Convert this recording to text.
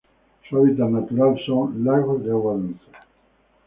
Su hábitat natural son: lagos de agua dulce.